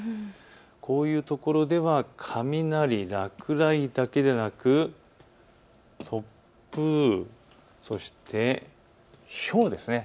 こういうところでは雷、落雷だけでなく突風、そしてひょうです。